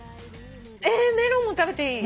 メロンも食べていい？